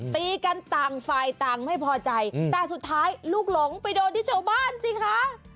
ตีกันต่างฝ่ายต่างไม่พอใจแต่สุดท้ายลูกหลงไปโดนที่ชาวบ้านสิคะ